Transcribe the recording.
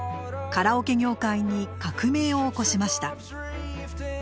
カラオケ業界に革命を起こしました。